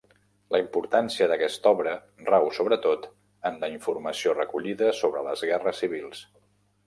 La importància d'aquesta obra rau, sobretot, en la informació recollida sobre les guerres civils.